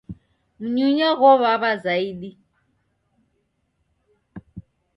Mnyunya ghow'aw'a zaidi.